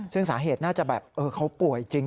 ซึ่งสาเหตุน่าจะแบบเขาป่วยจริง